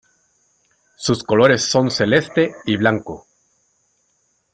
Sus colores son celeste y blanco.